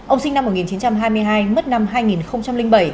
ông sinh năm một nghìn chín trăm hai mươi hai mất năm hai nghìn bảy